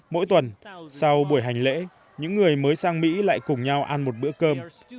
mỗi tuần sau buổi hành lễ những người mới sang mỹ lại cùng nhau ăn một bữa cơm